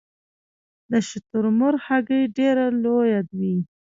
د شترمرغ هګۍ ډیره لویه وي